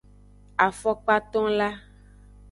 Afokpatonla.